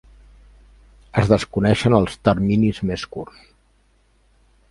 Es desconeixen els "terminis més curts".